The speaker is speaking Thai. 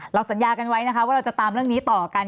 สัญญากันไว้นะคะว่าเราจะตามเรื่องนี้ต่อกัน